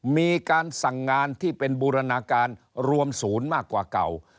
มีการสั่งงานที่เป็นบูรณาการรวมศูนย์มากกว่าเก่า